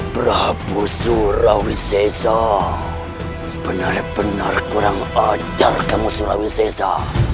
prabu surawi sesa benar benar kurang ajar kamu surawi sesa